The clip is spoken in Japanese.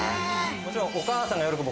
もちろんお母さんが喜ぶ。